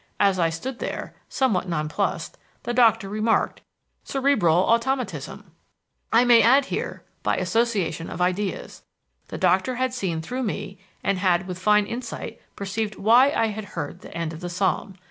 As I stood there, somewhat non plussed, the doctor remarked, 'Cerebral automatism.' "I may add here, by association of ideas. The doctor had seen through me, and had with fine insight perceived why I had heard the end of the psalm.